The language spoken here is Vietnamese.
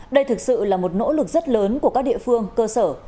đây thực sự là một nỗ lực rất lớn của các địa phương cơ sở